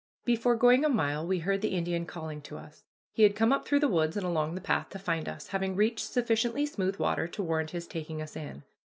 Before going a mile we heard the Indian calling to us. He had come up through the woods and along the path to find us, having reached sufficiently smooth water to warrant his taking us in.